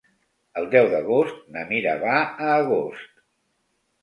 El deu d'agost na Mira va a Agost.